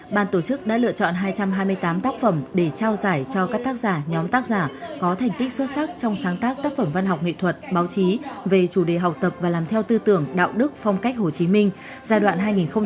ban tổ chức đã lựa chọn hai trăm hai mươi tám tác phẩm để trao giải cho các tác giả nhóm tác giả có thành tích xuất sắc trong sáng tác tác phẩm văn học nghệ thuật báo chí về chủ đề học tập và làm theo tư tưởng đạo đức phong cách hồ chí minh giai đoạn hai nghìn một mươi sáu hai nghìn hai mươi